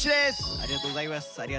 ありがとうございます。